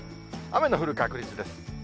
雨の降る確率です。